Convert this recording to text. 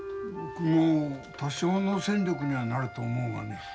僕も多少の戦力にはなると思うがね。